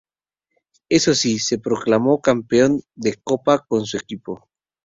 Eso sí, se proclamó campeón de Copa con su equipo.